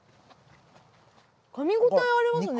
かみ応えありますね。